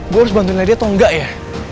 gue harus bantuin lady atau enggak ya